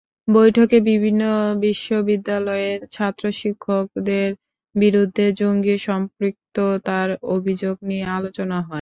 বৈঠকে বিভিন্ন বিশ্ববিদ্যালয়ের ছাত্র-শিক্ষকের বিরুদ্ধে জঙ্গি সম্পৃক্ততার অভিযোগ নিয়ে আলোচনা হয়।